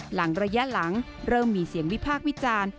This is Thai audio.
หลังระยะหลังเริ่มมีเสียงวิพากษ์วิจารณ์